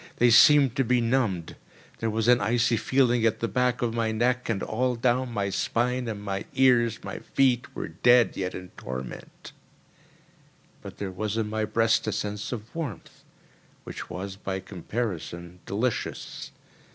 They seemed to be numbed. There was an icy feeling at the back of my neck and all down my spine, and my ears, like my feet, were dead, yet in torment; but there was in my breast a sense of warmth which was, by comparison, delicious.